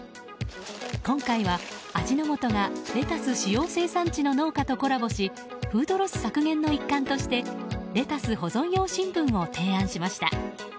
今回は、味の素がレタス主要生産地の農家とコラボしフードロス削減の一環としてレタス保存用新聞を提案しました。